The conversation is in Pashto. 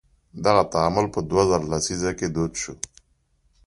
دغه تعامل په دوه زره لسیزه کې دود شو.